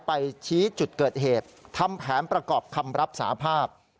ไปชี้จุดเกิดเหตุทำแผนประกอบคำรับสาภาพ